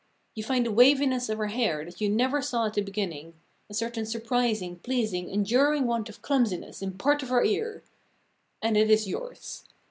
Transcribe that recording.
You find a waviness of her hair that you never saw at the beginning, a certain surprising, pleasing, enduring want of clumsiness in part of her ear. And it is yours.